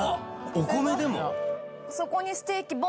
お米でも？